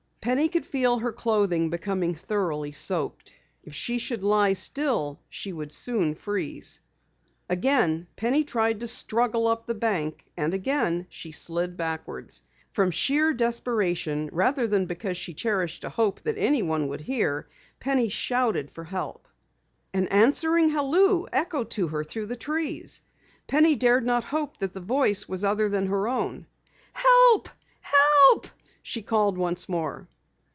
Penny could feel her clothing becoming thoroughly soaked. If she should lie still she soon would freeze. Again Penny tried to struggle up the bank, and again she slid backwards. From sheer desperation rather than because she cherished a hope that anyone would hear, Penny shouted for help. An answering halloo echoed to her through the trees. Penny dared not hope that the voice was other than her own. "Help! Help!" she called once more.